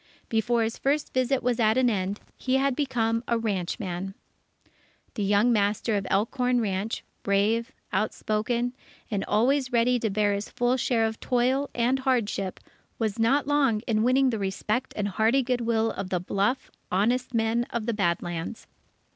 Before his first visit was at an end, he had become a ranchman. The young master of Elkhorn Ranch, brave, outspoken, and always ready to bear his full share of toil, and hardship, was not long in winning the respect and hearty good will of the bluff, honest men of the Bad Lands.